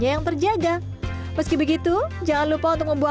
paham keuntungan dari negara creep silam ini impacting onsets embrol